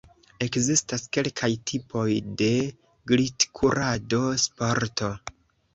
Ekzistas kelkaj tipoj de glitkurado-sporto.